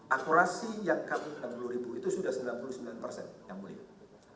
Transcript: akurasi yang kami enam puluh ribu itu sudah sembilan puluh sembilan persen yang mulia